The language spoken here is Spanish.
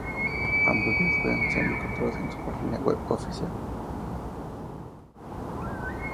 Ambos videos pueden ser encontrados en su página web oficial.